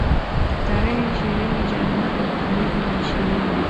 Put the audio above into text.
Tarehe ishirini Januari elfu mbili na ishirini